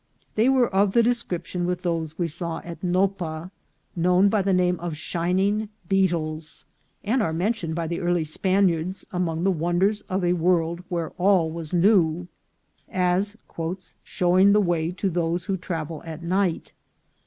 They were of the description with those we saw at Nopa, known by the name of shining beetles, and are mentioned by the early Spaniards, among the wonders of a world where all was new, " as showing the way to those who travel at night."